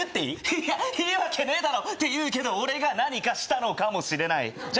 いやいいわけねえだろって言うけど俺が何かしたのかもしれないじゃあ